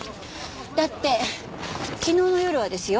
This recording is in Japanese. だって昨日の夜はですよ